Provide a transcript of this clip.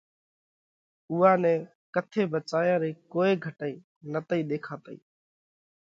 اُوئا نئہ ڪٿي ڀچيا رئي ڪوئي گھٽئِي نتئِي ۮيکاتئِي۔